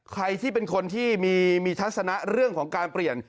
ใครที่เป็นคนที่มีทัศนะเรื่องของการเปลี่ยน